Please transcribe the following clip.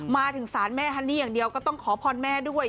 มาถึงศาลแม่ฮันนี่อย่างเดียวก็ต้องขอพรแม่ด้วย